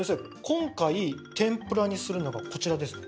今回天ぷらにするのがこちらですね。